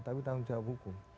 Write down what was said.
tapi tanggung jawab hukum